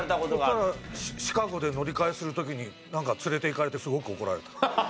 そしたらシカゴで乗り換えする時に連れて行かれてすごく怒られた。